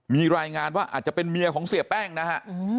มีรายงานว่าอาจจะเป็นเมียของเสียแป้งนะฮะ